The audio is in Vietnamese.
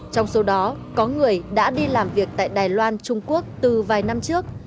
trong số đó có người đã đi làm việc tại đài loan trung quốc từ vài năm trước